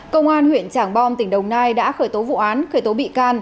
công an huyện trảng bom tỉnh đồng nai đã khởi tố vụ án khởi tố bị can